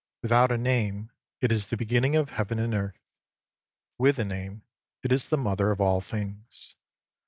Without a name, it is the Beginning of Heaven and Earth ; with a name, it is the Mother of all things.